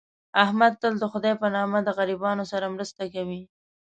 احمد تل دخدی په نامه د غریبانو سره مرسته کوي.